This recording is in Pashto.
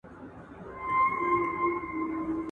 • یوه تېروتنه بیا بیا مه تکراروه.